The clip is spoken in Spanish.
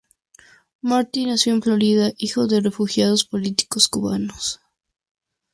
Marty nació en Florida hijo de refugiados políticos Cubanos.